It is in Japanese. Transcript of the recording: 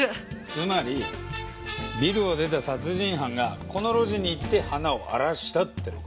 つまりビルを出た殺人犯がこの路地に行って花を荒らしたってのか？